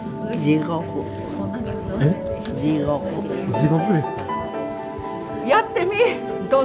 地獄ですか。